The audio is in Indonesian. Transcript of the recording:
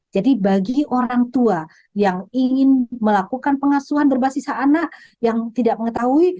jadi bagi orang tua yang ingin melakukan pengasuhan berbasis hak anak yang tidak mengetahui